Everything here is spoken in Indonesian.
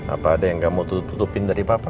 apa ada yang kamu tutupin dari bapak